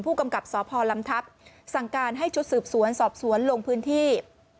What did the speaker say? ผู้กำกับสพลำทัพสั่งการให้ชุดสืบสวนสอบสวนลงพื้นที่